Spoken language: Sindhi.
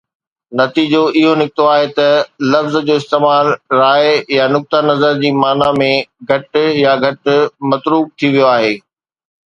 نتيجو اهو نڪتو آهي ته لفظ جو استعمال راءِ يا نقطهءِ نظر جي معنيٰ ۾ گهٽ يا گهٽ متروڪ ٿي ويو آهي.